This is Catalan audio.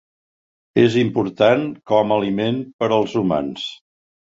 És important com a aliment per als humans.